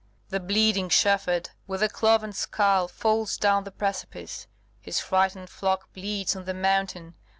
The bleeding shepherd, with a cloven skull, falls down the precipice; his frightened flock bleats on the mountain.